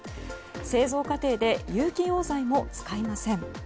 製造過程で有機溶剤も使いません。